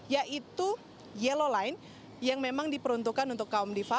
yaitu yellow line yang memang diperuntukkan untuk menjaga kebersihan kaki